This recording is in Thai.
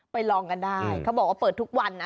ลองกันได้เขาบอกว่าเปิดทุกวันนะ